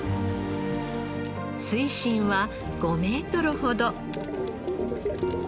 水深は５メートルほど。